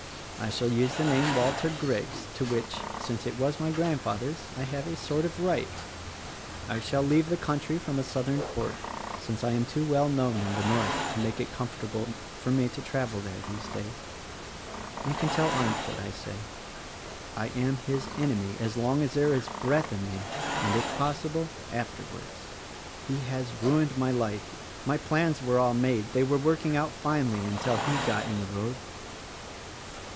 I shall use the name Walter Griggs to which, since it was my Grandfather's, I have a sort of right. I shall leave the country from a southern port, since I am too well known in the North to make it com fortable for me to travel there, these days. "You can tell Arndt what I say: I am his enemy as long as there is breath in me — and, if possible, afterwards. "He has ruined my life. My plans were all made — they were working out finely until he got in the road.